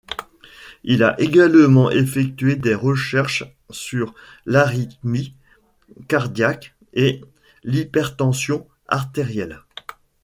Il a également effectué des recherches sur l'arythmie cardiaque et l'hypertension artérielle.